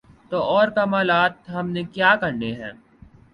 تو اور کمالات ہم نے کیا کرنے ہیں۔